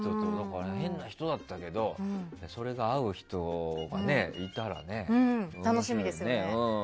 変な人だったけどそれに合う方がいたらね。